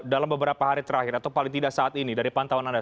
dalam beberapa hari terakhir atau paling tidak saat ini dari pantauan anda